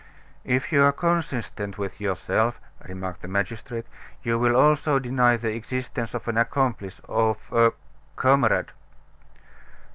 "If you are consistent with yourself," remarked the magistrate, "you will also deny the existence of an accomplice, of a comrade."